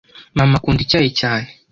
Mama akunda icyayi cyane.